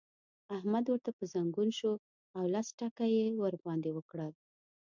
احمد ورته پر ځنګون شو او لس ټکه يې ور باندې وکړل.